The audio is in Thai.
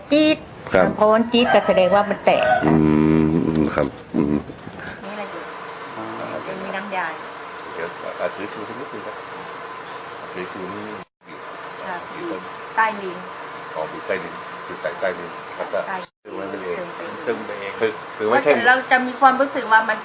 จี๊ดครับเพราะว่าจี๊ดก็จะแสดงว่ามันแตกอืมครับอืม